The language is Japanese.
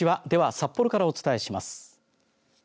では、札幌からお伝えします。